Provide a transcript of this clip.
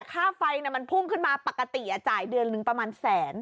ค่าไฟมันพุ่งขึ้นมาปกติจ่ายเดือนหนึ่งประมาณแสน